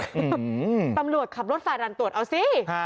อื้อหือตำรวจขับรถฝ่าดานตรวจเอาสิ